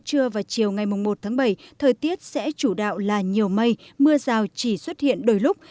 trưa và chiều ngày một tháng bảy thời tiết sẽ chủ đạo là nhiều mây mưa rào chỉ xuất hiện đôi lúc